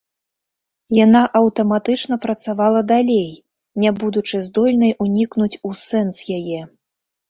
Яна аўтаматычна працавала далей, не будучы здольнай унікнуць у сэнс яе.